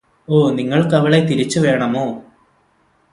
ഓ നിങ്ങള്ക്കവളെ തിരിച്ചു വേണമോ